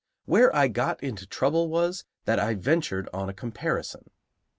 Where I got into trouble was, that I ventured on a comparison.